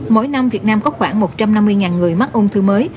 mỗi năm việt nam có khoảng một trăm năm mươi người mắc ung thư mới